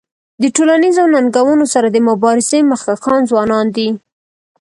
د ټولنیزو ننګونو سره د مبارزې مخکښان ځوانان دي.